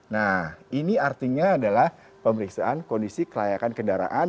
nah ini artinya adalah pemeriksaan kondisi kelayakan kendaraan